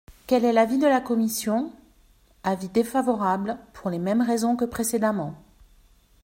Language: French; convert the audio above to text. Quel est l’avis de la commission ? Avis défavorable, pour les mêmes raisons que précédemment.